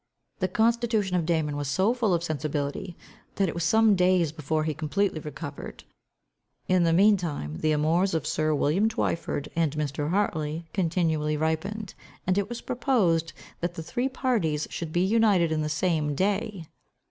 The constitution of Damon was so full of sensibility, that it was some days before he was completely recovered. In the mean time, the amours of Sir William Twyford, and Mr. Hartley, continually ripened, and it was proposed, that the three parties should be united in the same day.